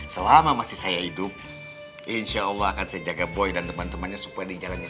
selama masih saya hidup insya allah akan saya jaga boy dan teman temannya supaya dijalanin